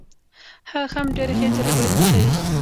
هغه هم ډېرې ښې جلبۍ پخوي.